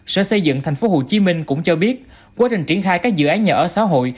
sở xây dựng tp hcm cũng cho biết quá trình triển khai các dự án nhà ở xã hội